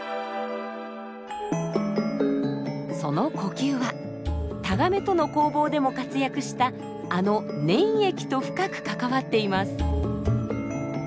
その呼吸はタガメとの攻防でも活躍したあの粘液と深く関わっています。